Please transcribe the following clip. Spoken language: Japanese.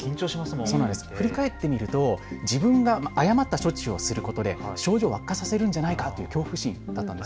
振り返ってみると自分が誤った処置をすることで症状を悪化させるんじゃないかという恐怖心でした。